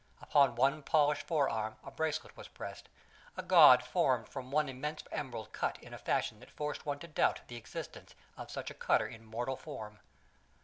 Upon one polished forearm a bracelet was pressed, a gaud formed from one immense emerald cut in a fashion that forced one to doubt the existence of such a cutter in mortal form.